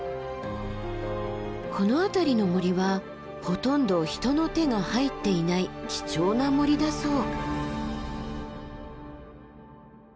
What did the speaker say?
この辺りの森はほとんど人の手が入っていない貴重な森だそう。